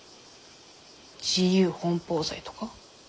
自由奔放罪とか？